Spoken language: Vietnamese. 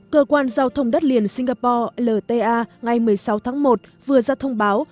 cơ quan giao thông đất liền singapore lta ngày một mươi sáu tháng một vừa ra thông báo